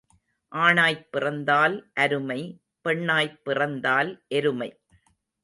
ஆணாய்ப் பிறந்தால் அருமை பெண்ணாய்ப் பிறந்தால் எருமை.